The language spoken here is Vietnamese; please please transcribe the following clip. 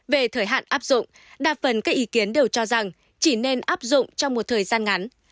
về thời hạn áp dụng đa phần các ý kiến đều cho rằng chỉ nên áp dụng trong một thời gian ngắn